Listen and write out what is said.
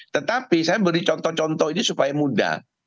tetapi saya beri contoh contoh ini supaya mudah